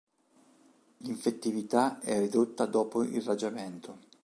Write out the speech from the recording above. L'infettività è ridotta dopo irraggiamento.